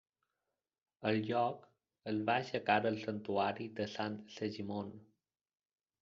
Al lloc es va aixecar el Santuari de Sant Segimon.